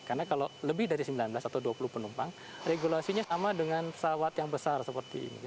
karena kalau lebih dari sembilan belas atau dua puluh penumpang regulasinya sama dengan pesawat yang besar seperti ini